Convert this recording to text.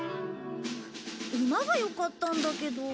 馬がよかったんだけど。